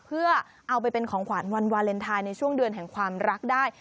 เพื่อเอาไปเป็นของขวัญวันวาเลนไทยในช่วงเดือนแห่งความรักได้